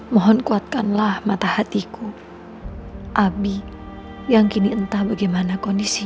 mohon kuatkanlah mata hatiku abi yang kini entah bagaimana kondisi